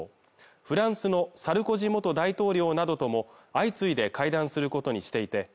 フランスのサルコジ元大統領などとも相次いで会談することにしていて